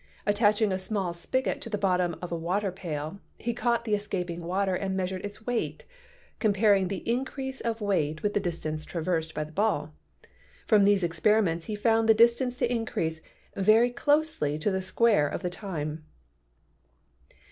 Attaching a small spigot to the bottom of a water pail, he caught the escaping water and measured its weight, com paring the increase of weight with the distance traversed by the ball. From these experiments he found the distance to increase very closely as the square of the time.